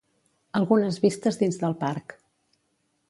Algunes vistes dins del parc